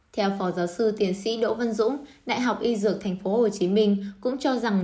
theo phó giáo sư tiến sĩ đỗ văn dũng đại học y dược tp hcm cũng cho rằng